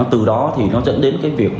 từ đó thì nó dẫn đến cái việc